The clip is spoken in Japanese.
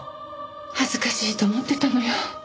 恥ずかしいと思ってたのよ